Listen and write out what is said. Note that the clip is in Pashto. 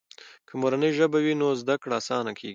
که مورنۍ ژبه وي نو زده کړه آسانه کیږي.